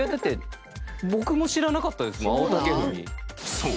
［そう。